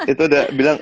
itu udah bilang